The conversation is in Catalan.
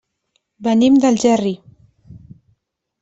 Venim d'Algerri.